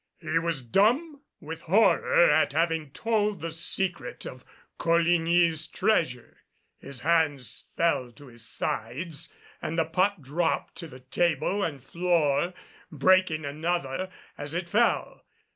He was dumb with horror at having told the secret of Coligny's treasure. His hands fell to his sides and the pot dropped to the table and floor, breaking another as it fell.